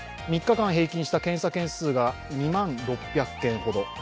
３日間平均した検査件数が２万６００件ほど。